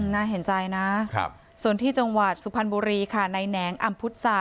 น่าเห็นใจนะส่วนที่จังหวัดสุพรรณบุรีค่ะในแหนงอำพุษะ